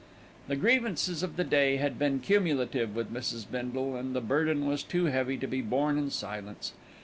The grievances of the day had been cumulative with Mrs. Bindle, and the burden was too heavy to be borne in silence.